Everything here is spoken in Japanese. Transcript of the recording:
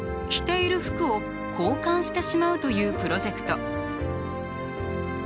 着ている服を交換してしまうというプロジェクト。